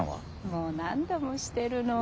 もう何度もしてるの。